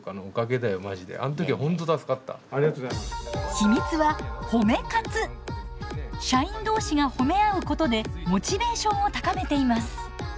秘密は社員同士が褒め合うことでモチベーションを高めています。